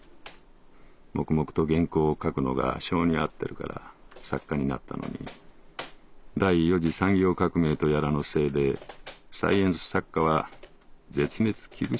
黙々と原稿を書くのが性に合ってるから作家になったのに第四次産業革命とやらのせいでサイエンス作家は絶滅危惧種なんだって。